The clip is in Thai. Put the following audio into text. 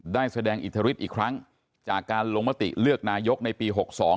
ได้แสดงอิทธิฤทธิ์อีกครั้งจากการลงมติเลือกนายกในปีหกสอง